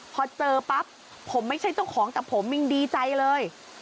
พอเจอปั๊บผมไม่ใช่เจ้าของแต่ผมยังดีใจเลย